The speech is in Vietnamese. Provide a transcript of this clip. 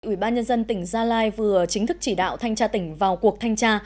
ủy ban nhân dân tỉnh gia lai vừa chính thức chỉ đạo thanh tra tỉnh vào cuộc thanh tra